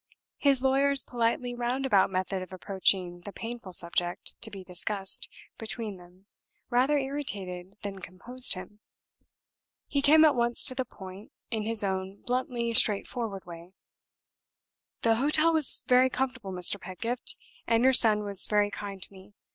His lawyer's politely roundabout method of approaching the painful subject to be discussed between them rather irritated than composed him. He came at once to the point, in his own bluntly straightforward way. "The hotel was very comfortable, Mr. Pedgift, and your son was very kind to me.